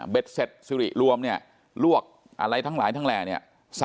เสร็จสิริรวมเนี่ยลวกอะไรทั้งหลายทั้งแหล่เนี่ย